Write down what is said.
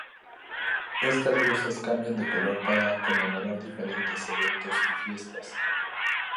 Estas luces cambian de color para conmemorar diferentes eventos y fiestas.